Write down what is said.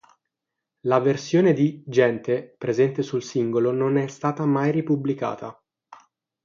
La versione di "Gente" presente sul singolo non è stata mai ripubblicata.